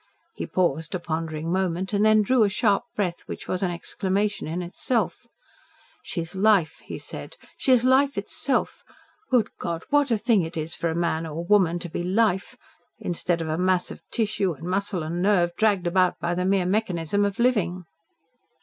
He paused a pondering moment, and then drew a sharp breath which was an exclamation in itself. "She's Life!" he said. "She's Life itself! Good God! what a thing it is for a man or woman to be Life instead of a mass of tissue and muscle and nerve, dragged about by the mere mechanism of living!"